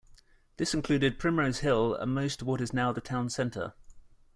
This included Primrose Hill and most of what is now the town centre.